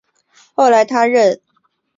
后来他任华北政务委员会委员。